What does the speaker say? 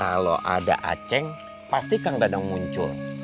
kalau ada aceh pasti kang dadang muncul